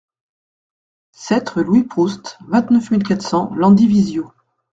sept rue Louis Proust, vingt-neuf mille quatre cents Landivisiau